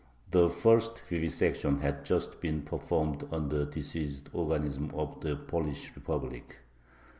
The first vivisection had just been performed on the diseased organism of the Polish Republic.